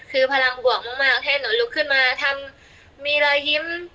คือพลังบวกมากให้หนูลุกขึ้นมาทำมีรอยยิ้ม